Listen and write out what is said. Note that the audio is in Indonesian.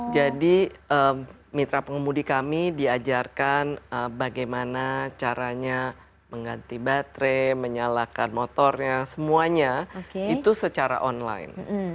jadi mitra pengemudi kami diajarkan bagaimana caranya mengganti baterai menyalakan motornya semuanya itu secara online